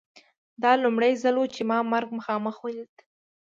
دا لومړی ځل و چې ما مرګ مخامخ ولید